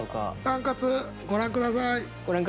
「タンカツ」ご覧下さい。